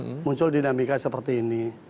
pasapunten m k muncul dinamika seperti ini